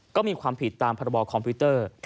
ก็มีความผิดตามพรบคอมพิวเตอร์